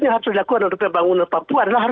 yang harus dilakukan oleh pembangunan papua adalah